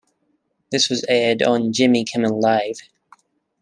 This was aired on "Jimmy Kimmel Live!".